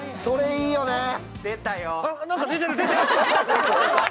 それいいよね。